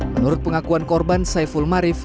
menurut pengakuan korban saiful marif